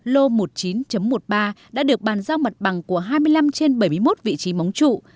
lô một mươi chín một mươi ba đã được bàn giao mặt bằng của hai mươi năm trên bảy mươi một vị trí móng trụ